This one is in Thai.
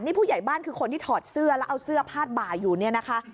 นี่ผู้ใหญ่บ้านคือคนที่ถอดเสื้อแล้วเอาเสื้อผ้าบ่าอยู่เนี่ยนะคะ